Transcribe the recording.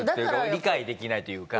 理解できないというか。